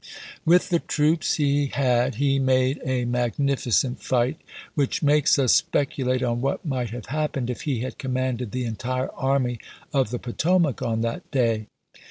With the troops he had he made a magnificent fight, which makes us speculate on what might have hap pened if he had commanded the entire Army of the Potomac on that day.